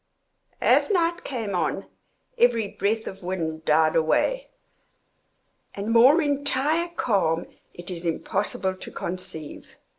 As night came on, every breath of wind died away, an more entire calm it is impossible to conceive.